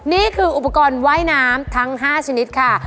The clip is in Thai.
นี่คืออุปกรณ์ว่ายน้ำทั้ง๕ชนิดค่ะ